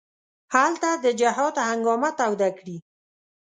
هلته د جهاد هنګامه توده کړي.